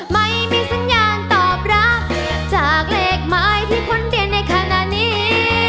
ไม่มีสัญญาณตอบรับจากเลขหมายที่คุ้นเด่นในขณะนี้